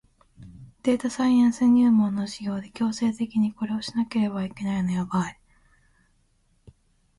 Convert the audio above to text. データサイエンス入門の授業で強制的にこれをしなければいけないのやばい